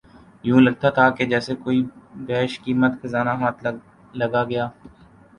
یوں لگتا تھا کہ جیسے کوئی بیش قیمت خزانہ ہاتھ لگا گیا